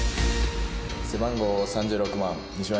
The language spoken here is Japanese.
背番号３６番西村